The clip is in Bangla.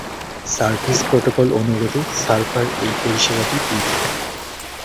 সার্ভিস প্রোটোকল অনুরোধে সার্ভার এই পরিষেবাটি দিয়ে থাকে।